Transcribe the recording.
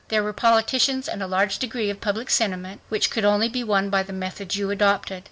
There were politicians, and a large degree of public sentiment, which could only be won by the methods you adopted